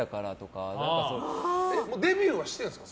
デビューはしてるんですか？